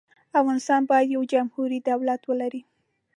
افغانستان باید یو جمهوري دولت ولري.